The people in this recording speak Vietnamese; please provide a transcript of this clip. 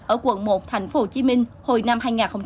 ở quận một tp hcm hồi năm hai nghìn một mươi ba